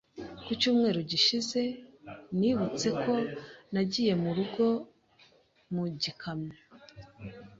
Ku cyumweru gishize, nibutse ko nagiye mu rugo mu gikamyo.